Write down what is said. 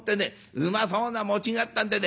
うまそうな餅があったんでね